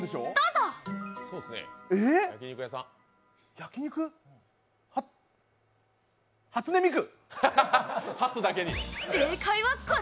焼肉初音ミク！